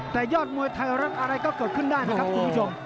แต่ยอดมวยไทยรัฐอะไรก็เกิดขึ้นได้นะครับคุณผู้ชม